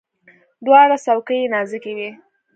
دواړه څوکي یې نازکې وي.